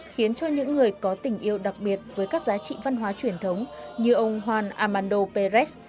khiến cho những người có tình yêu đặc biệt với các giá trị văn hóa truyền thống như ông juan armando perez